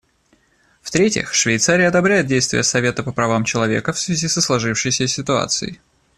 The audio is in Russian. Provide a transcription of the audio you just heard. В-третьих, Швейцария одобряет действия Совета по правам человека в связи со сложившейся ситуацией.